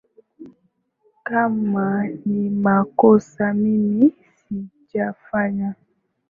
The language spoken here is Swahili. Kama ni makosa mimi sijafanya